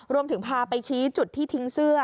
รวมถึงพาไปชี้จุดที่ทิ้งเสื้อ